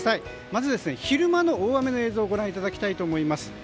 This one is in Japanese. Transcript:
まず、昼間の大雨の映像をご覧いただきたいと思います。